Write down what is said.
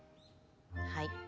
はい。